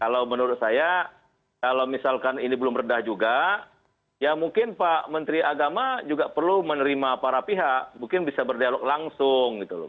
kalau menurut saya kalau misalkan ini belum redah juga ya mungkin pak menteri agama juga perlu menerima para pihak mungkin bisa berdialog langsung gitu loh